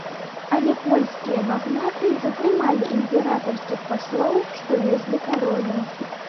Але польскія магнаты затрымалі імператарскіх паслоў, што везлі карону.